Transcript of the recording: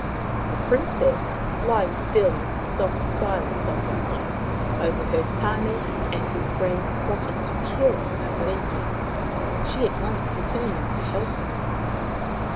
The Princess, lying still in the soft silence of the night, overheard Tane and his friends plotting to kill Matariki. She at once determined to help him.